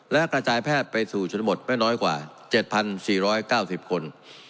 และกระจายแพทย์ไปสู่ชนบทไม่น้อยกว่า๗๔๙๐คน